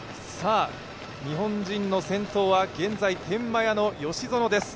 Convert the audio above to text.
日本人の先頭は現在、天満屋の吉薗です。